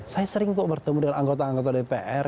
saya sering kok bertemu dengan anggota anggota dpr